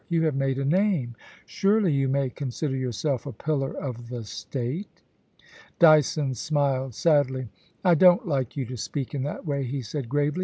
You have made a name. Surely you may con sider yourself a pillar of the State.' Dyson smiled sadly. * I don't like you to speak in that way/ he said gravely.